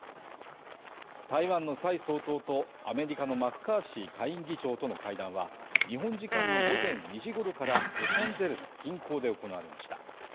台湾の蔡総統とアメリカのマッカーシー下院議長との会談は、日本時間の午前２時ごろからロサンゼルス近郊で行われました。